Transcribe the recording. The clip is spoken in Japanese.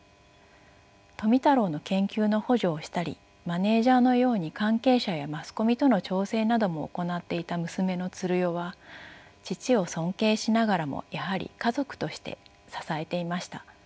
富太郎の研究の補助をしたりマネージャーのように関係者やマスコミとの調整なども行っていた娘の鶴代は父を尊敬しながらもやはり家族として支えていました。